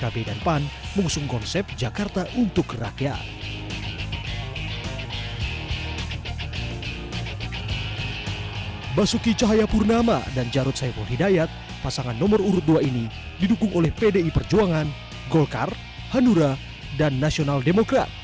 basuki cahayapurnama dan jarod saiful hidayat pasangan nomor urut dua ini didukung oleh pdi perjuangan golkar hanura dan nasional demokrat